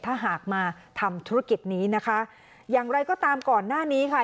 ถ้าหากมาทำธุรกิจนี้นะคะอย่างไรก็ตามก่อนหน้านี้ค่ะ